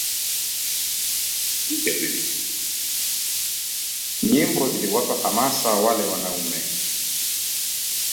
Nyimbo ziliwapa hamasa wale wanaume